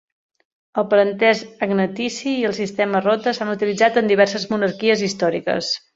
El parentesc agnatici i el sistema rota s'han utilitzat en diverses monarquies històriques.